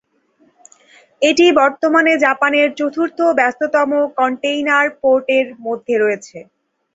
এটি বর্তমানে জাপানের চতুর্থ ব্যস্ততম কন্টেইনার পোর্টের মধ্যে রয়েছে।